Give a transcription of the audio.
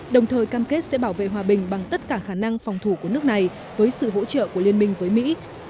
đồng thời cam kết sẽ bảo vệ hòa bình bằng tất cả khả năng phòng thủ của nước này với sự hỗ trợ của liên minh với mỹ